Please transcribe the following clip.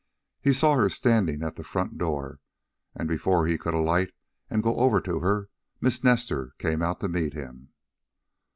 He saw her standing at the front door, and before he could alight, and go to her, Miss Nestor came out to meet him.